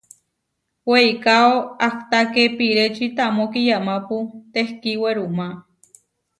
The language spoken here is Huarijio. Weikáo ahtaké pireči tamó kiyamápu tehkí werumá.